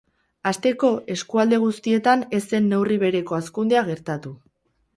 Hasteko, eskualde guztietan ez zen neurri bereko hazkundea gertatu.